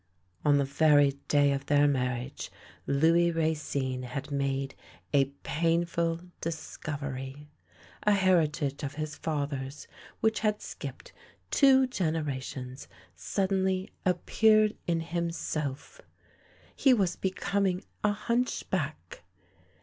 On the very day of their marriage Louis Racine had made a painful discovery. A heritage of his fathers, which had skipped two generations, suddenly appeared in himself: he was becoming a hunchback!